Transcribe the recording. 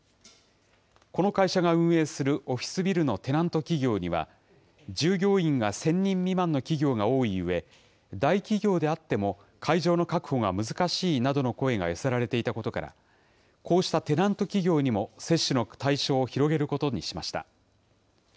この会社が運営するオフィスビルのテナント企業には、従業員が１０００人未満の企業が多いうえ、大企業であっても、会場の確保が難しいなどの声が寄せられていたことから、こうしたテナント企業にも接種の対象を広げることにしました。